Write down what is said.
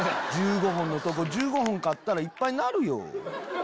１５本のとこ１５本買ったらいっぱいになるよ。